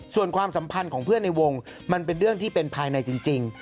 ส่วนความสัมพันธ์ของเพื่อนในวงมันเป็นเรื่องที่เป็นภายในจริง